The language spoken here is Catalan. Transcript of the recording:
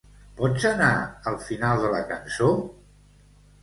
Pots anar al final de la cançó?